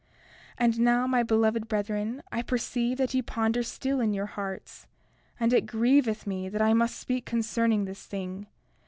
32:8 And now, my beloved brethren, I perceive that ye ponder still in your hearts; and it grieveth me that I must speak concerning this thing.